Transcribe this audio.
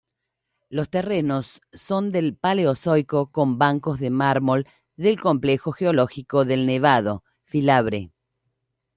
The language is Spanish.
Los terrenos son del paleozoico con bancos de mármol del complejo geológico del Nevado-Filabre.